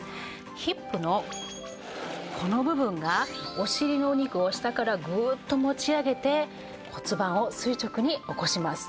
ヒップのこの部分がお尻のお肉を下からグッと持ち上げて骨盤を垂直に起こします。